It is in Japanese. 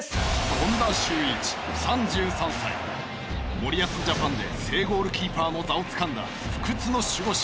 森保ジャパンで正ゴールキーパーの座をつかんだ不屈の守護神。